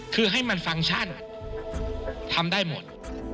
คือให้มันฟังก์ชั่นทำได้หมด